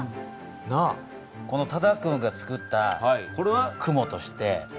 多田君がつくったこれは雲として。